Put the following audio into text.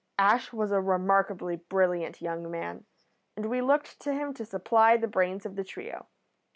Ash was a remarkably brilliant young man, and we looked to him to supply the brains of the trio.